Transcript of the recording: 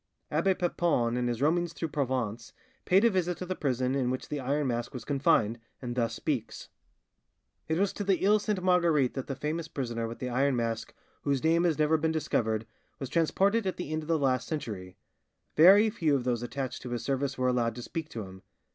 Abbe Papon, in his roamings through Provence, paid a visit to the prison in which the Iron Mask was confined, and thus speaks:— "It was to the Iles Sainte Marguerite that the famous prisoner with the iron mask whose name has never been discovered, was transported at the end of the last century; very few of those attached to his service were allowed to speak to him.